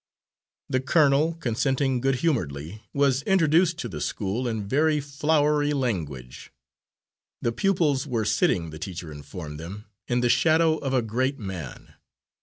The colonel, consenting good humouredly, was introduced to the school in very flowery language. The pupils were sitting, the teacher informed them, in the shadow of a great man.